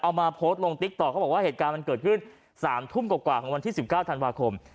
เอามาโพสต์ลงติ๊กต๊อกเขาบอกว่าเหตุการณ์มันเกิดขึ้น๓ทุ่มกว่าของวันที่๑๙ธันวาคม